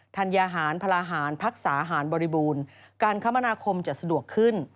ธัญหารพลาหารพักษาหารบริบูรณ์การคมนาคมจะสะดวกขึ้น